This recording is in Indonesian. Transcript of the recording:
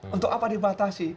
untuk apa dibatasi